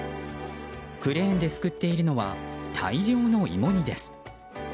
クレーンですくっているのは大量の芋煮です。